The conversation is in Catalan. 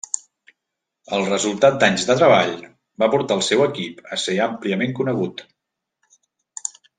El resultat d'anys de treball va portar al seu equip a ser àmpliament conegut.